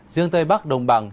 riêng tây bắc đồng bằng